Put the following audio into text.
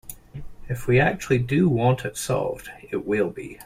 If we actually do want it solved, it will be.